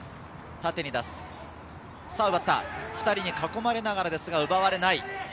２人に囲まれながら奪われない。